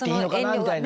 みたいな。